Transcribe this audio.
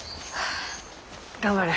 頑張れ。